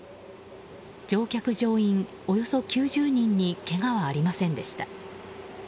乗客・乗員およそ９０人にけがはありませんでした。